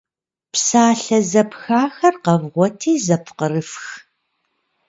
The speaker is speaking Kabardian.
Псалъэ зэпхахэр къэвгъуэти зэпкърыфх.